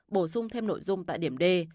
bổ sung thêm nội dung tại điểm d